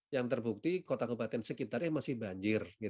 yang terbukti kota kebatin sekitarnya masih banjir